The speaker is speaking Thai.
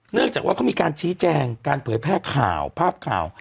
จากว่าเขามีการชี้แจงการเผยแพร่ข่าวภาพข่าว